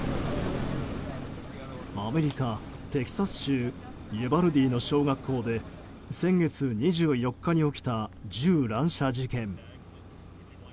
アメリカ・テキサス州ユヴァルディの小学校で先月２４日に起きた銃乱射事件。